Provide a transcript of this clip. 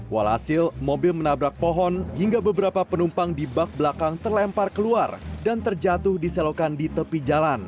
walhasil mobil menabrak pohon hingga beberapa penumpang di bak belakang terlempar keluar dan terjatuh di selokan di tepi jalan